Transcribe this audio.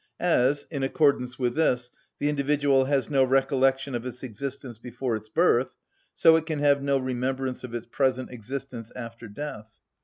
As, in accordance with this, the individual has no recollection of its existence before its birth, so it can have no remembrance of its present existence after death.